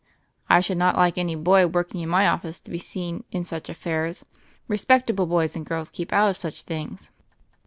"I should not like any boy working in my office to be seen in such affairs. Respectable boys and girls keep out of such things."